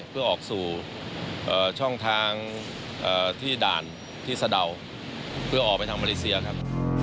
เพื่อออกสู่ช่องทางที่ด่านที่สะดาวเพื่อออกไปทางมาเลเซียครับ